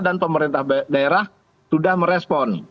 dan pemerintah daerah sudah merespon